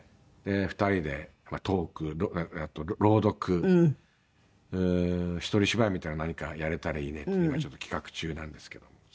２人でトーク朗読一人芝居みたいな何かやれたらいいねって今ちょっと企画中なんですけども。